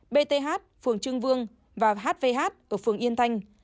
bth phường trương vương và hvh ở phường yên thanh